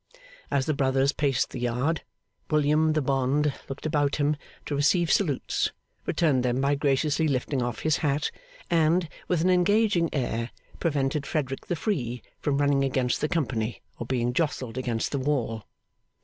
As the brothers paced the yard, William the bond looked about him to receive salutes, returned them by graciously lifting off his hat, and, with an engaging air, prevented Frederick the free from running against the company, or being jostled against the wall.